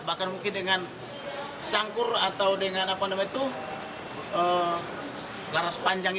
bahkan mungkin dengan sangkur atau dengan laras panjang